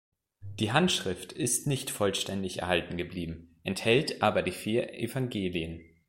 Die Handschrift ist nicht vollständig erhalten geblieben, enthält aber die vier Evangelien.